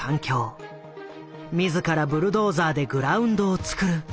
自らブルドーザーでグラウンドを作る。